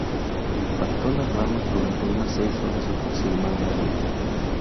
Impactó a las Bahamas durante unas seis horas aproximadamente.